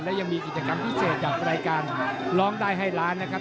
และยังมีกิจกรรมพิเศษจากรายการร้องได้ให้ล้านนะครับ